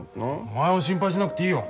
お前は心配しなくていいよ。